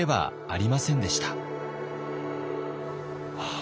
あ